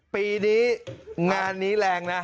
ปีนี้งานนี้แรงนะ